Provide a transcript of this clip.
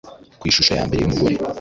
Ku ishusho yambere yumugore